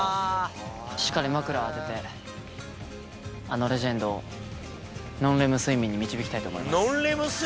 しっかり枕を当てて、あのレジェンドをノンレム睡眠に導きたいと思います。